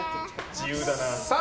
自由だな。